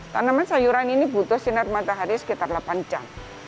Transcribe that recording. tanaman sayuran ini butuh sinar matahari sekitar delapan jam